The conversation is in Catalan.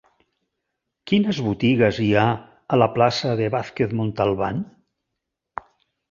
Quines botigues hi ha a la plaça de Vázquez Montalbán?